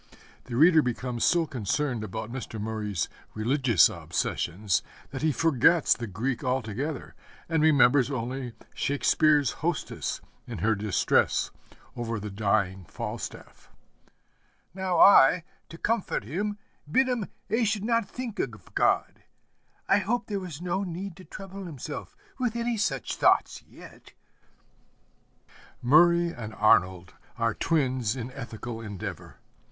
The reader becomes so concerned about Mr. Murray's religious obsessions that he forgets the Greek altogether and remembers only Shakespeare's hostess in her distress over the dying Falstaff: 'Now I, to comfort him, bid him 'a should not think of God, I hoped there was no need to trouble himself with any such thoughts yet.' Murray and Arnold are twins in ethical endeavor.